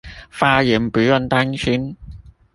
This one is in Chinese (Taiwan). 發言不用擔心